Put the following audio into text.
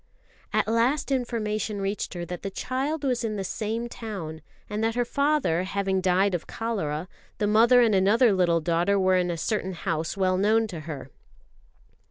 At last information reached her that the child was in the same town; and that her father having died of cholera, the mother and another little daughter were in a certain house well known to her.